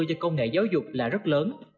cho công nghệ giáo dục là rất lớn